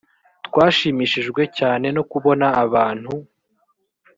twashimishijwe cyane no kubona abantu